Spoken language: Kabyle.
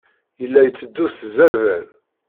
Yella iteddu s zzerban.